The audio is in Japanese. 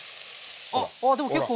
あっああでも結構。